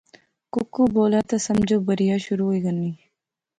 کُکو بولے تے سمجھو بریا شروع ہوئی غَئی